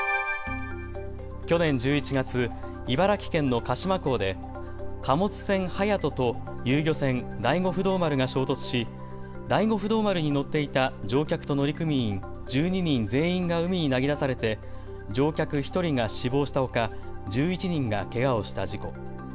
去年１１月、茨城県の鹿島港で貨物船、はやとと遊漁船、第五不動丸が衝突し第五不動丸に乗っていた乗客と乗組員１２人全員が海に投げ出されて乗客１人が死亡したほか１１人がけがをした事故。